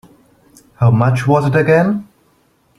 How much was it again?